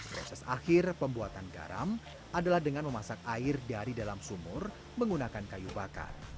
proses akhir pembuatan garam adalah dengan memasak air dari dalam sumur menggunakan kayu bakar